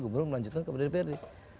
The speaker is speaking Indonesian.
gubernur melanjutkan kepada dprd